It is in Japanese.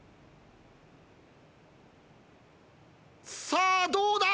さあどうだ！？